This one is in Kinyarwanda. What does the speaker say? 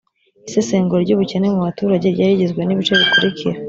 isesengura ry'ubukene mu baturage ryari rigizwe n'ibice bikurikira: